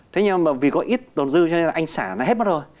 thế nhưng mà vì có ít tồn dư cho nên là anh xả nó hết mất rồi